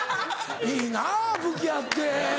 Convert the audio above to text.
いいな武器あって。